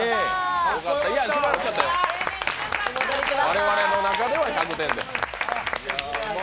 我々の中では１００点です。